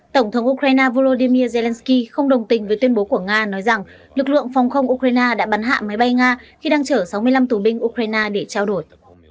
tổng thống ukraine volodymyr zelensky không đồng tình với tuyên bố của nga nói rằng lực lượng phòng không ukraine đã bắn hạ máy bay nga khi đang chở sáu mươi năm tù binh ukraine để trao đổi